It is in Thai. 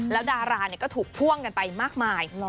แล้วดาราก็ถูกพ่วงกันไปมากมาย